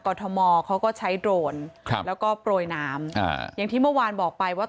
ทมเขาก็ใช้โดรนครับแล้วก็โปรยน้ำอ่าอย่างที่เมื่อวานบอกไปว่า